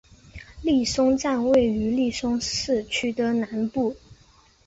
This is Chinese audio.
利松站位于利松市区的南部。